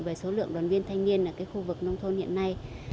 về số lượng đoàn viên thanh niên ở khu vực nông thôn hiện nay